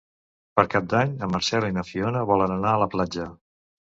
Per Cap d'Any en Marcel i na Fiona volen anar a la platja.